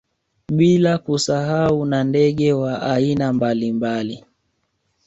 Bila kusahau na ndege wa aina mbalimbali